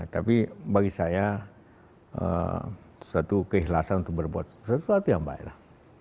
tapi bagi saya suatu keikhlasan untuk berbuat sesuatu yang baik lah